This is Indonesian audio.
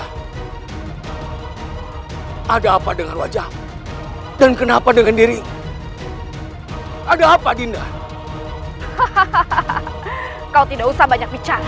hai ada apa dengan wajah dan kenapa dengan diri ada apa dinda hahaha kau tidak usah banyak bicara